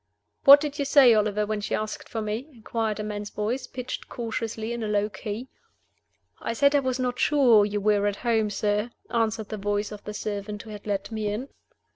"What did you say, Oliver, when she asked for me?" inquired a man's voice, pitched cautiously in a low key. "I said I was not sure you were at home, sir," answered the voice of the servant who had let me in.